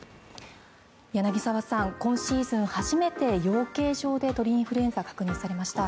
柳澤さん、今シーズン初めて養鶏場で鳥インフルエンザが確認されました。